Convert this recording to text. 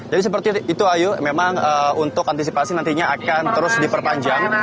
jadi seperti itu ayu memang untuk antisipasi nantinya akan terus diperpanjang